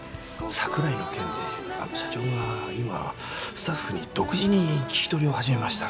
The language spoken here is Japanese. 櫻井の件であの社長が今スタッフに独自に聞き取りを始めました。